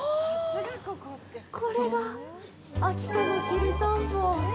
これが秋田のきりたんぽ。